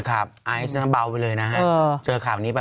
ไอซ์เบาไปเลยนะฮะเจอข่าวนี้ไป